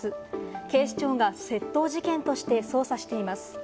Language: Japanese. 警視庁が窃盗事件として捜査しています。